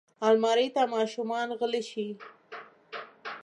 الماري ته ماشومان غله شي